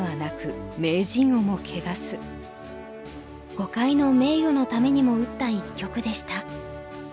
碁界の名誉のためにも打った一局でした。